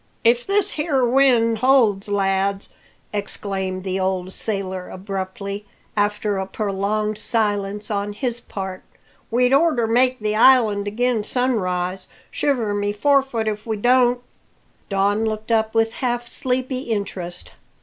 "If this 'ere wind holds, lads," exclaimed the old sailor abruptly, after a prolonged silence on his part, "we'd orter make the island agin sunrise, shiver my forefoot if we don't!" Don looked up with half sleepy interest.